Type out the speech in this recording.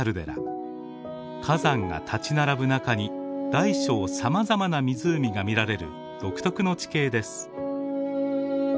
火山が立ち並ぶ中に大小さまざまな湖が見られる独特の地形です。